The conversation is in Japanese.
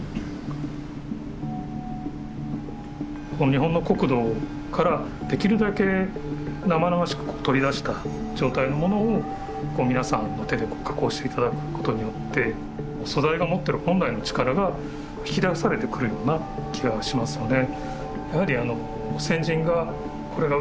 日本の国土からできるだけ生々しく取り出した状態のものを皆さんの手で加工して頂くことによって素材が持ってる本来の力が引き出されてくるような気がしますよね。